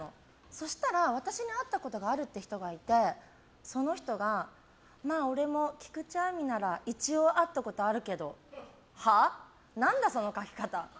そしたら、私に会ったことがあるっていう人がいてその人が、まあ俺も菊地亜美なら一応会ったことあるけど。